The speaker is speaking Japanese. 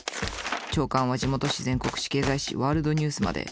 朝刊は地元紙全国紙経済紙ワールドニュースまで。